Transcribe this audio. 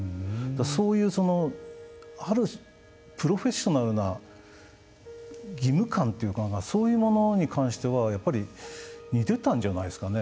そういうプロフェッショナルな義務感そういうものに関しては似てたんじゃないですかね。